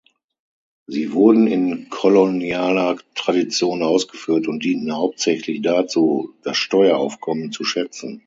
Sie wurden in kolonialer Tradition ausgeführt und dienten hauptsächlich dazu, das Steueraufkommen zu schätzen.